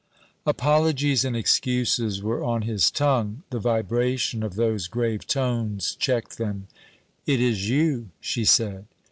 Apologies and excuses were on his tongue. The vibration of those grave tones checked them. 'It is you,' she said.